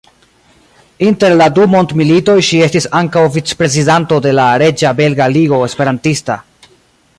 Inter la du mondmilitoj ŝi estis ankaŭ vicprezidanto de la Reĝa Belga Ligo Esperantista.